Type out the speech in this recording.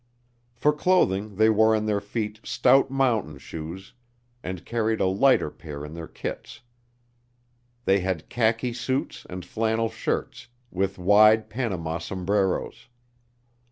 For clothing they wore on their feet stout mountain shoes and carried a lighter pair in their kits. They had khaki suits and flannel shirts, with wide Panama sombreros.